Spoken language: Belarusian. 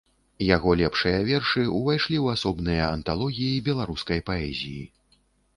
Яго лепшыя вершы ўвайшлі ў асобныя анталогіі беларускай паэзіі.